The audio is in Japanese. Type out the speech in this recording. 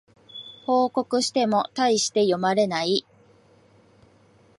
報告してもたいして読まれない